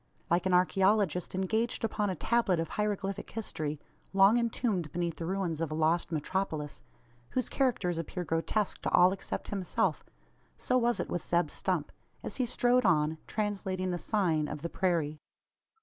Like an archaeologist engaged upon a tablet of hieroglyphic history, long entombed beneath the ruins of a lost metropolis whose characters appear grotesque to all except himself so was it with Zeb Stump, as he strode on, translating the "sign" of the prairie.